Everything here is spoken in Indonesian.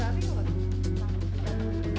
ini salah satu dari